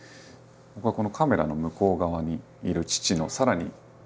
僕はこのカメラの向こう側にいる父のさらに奥から見ていて。